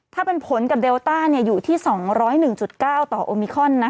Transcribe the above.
ถ้าเป็นผลกับเดลต้าอยู่ที่๒๐๑๙ต่อโอมิคอน